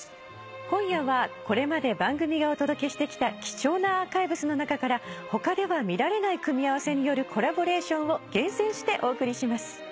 今夜はこれまで番組がお届けしてきた貴重なアーカイブスの中から他では見られない組み合わせによるコラボレーションを厳選してお送りします。